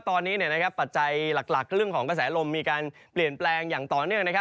ตอนนี้ปัจจัยหลักเรื่องของกระแสลมมีการเปลี่ยนแปลงอย่างต่อเนื่อง